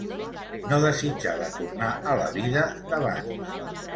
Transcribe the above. No desitjava tornar a la vida d'abans.